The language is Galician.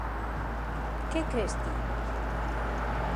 Que cres ti?